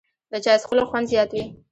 د چای څښلو خوند زیات وي